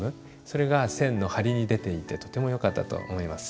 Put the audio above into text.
それが線の張りに出ていてとてもよかったと思います。